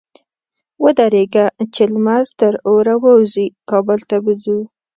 ودرېږه! چې لمر تر اوره ووزي؛ کابل ته به ځو.